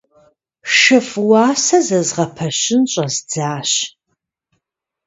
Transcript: ШыфӀ уасэ зэзгъэпэщын щӀэздзащ.